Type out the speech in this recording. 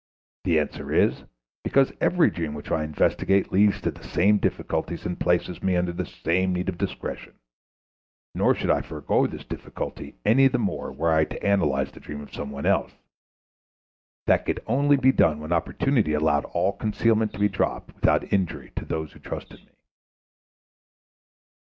The answer is, because every dream which I investigate leads to the same difficulties and places me under the same need of discretion; nor should I forgo this difficulty any the more were I to analyze the dream of some one else. That could only be done when opportunity allowed all concealment to be dropped without injury to those who trusted me.